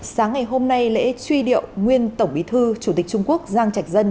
sáng ngày hôm nay lễ truy điệu nguyên tổng bí thư chủ tịch trung quốc giang trạch dân